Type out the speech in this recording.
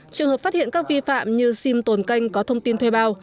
trường hợp phát hiện các vi phạm như sim tồn canh có thông tin thuê bao